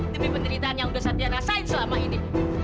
demi penderitaan yang sudah saya rasain selama ini